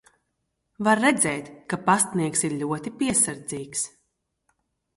Var redzēt, ka pastnieks ir ļoti piesardzīgs.